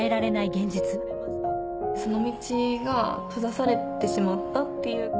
現実その道が閉ざされてしまったっていう。